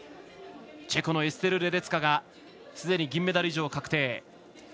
チェコのエステル・レデツカがすでに銀メダル以上確定。